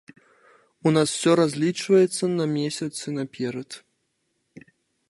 У нас усё разлічваецца на месяцы наперад.